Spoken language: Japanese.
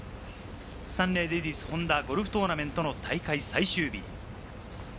スタンレーレディスホンダゴルフトーナメントの大会最終日。